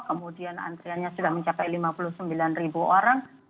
kemudian antriannya sudah mencapai lima puluh sembilan ribu orang